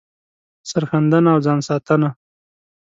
سر ښندنه او ځان ساتنه